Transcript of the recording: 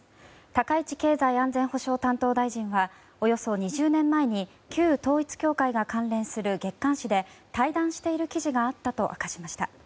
高市経済安全保障担当大臣はおよそ２０年前に旧統一教会が関連する月刊誌で対談している記事があったと明かしました。